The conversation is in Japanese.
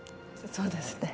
そうですね。